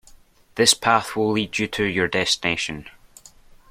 This path will lead you to your destination.